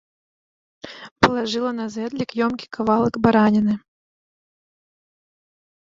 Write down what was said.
Палажыла на зэдлік ёмкі кавалак бараніны.